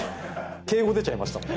敬語出ちゃいましたもん。